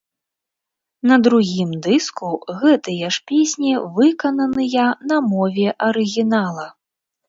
На другім дыску гэтыя ж песні выкананыя на мове арыгінала.